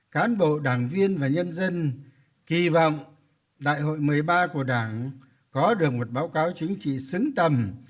cán bộ đảng viên và nhân dân kỳ vọng đại hội một mươi ba của đảng có được một báo cáo chính trị xứng tầm